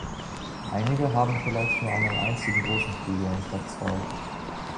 Einige haben vielleicht nur einen einzigen großen Flügel anstatt zwei.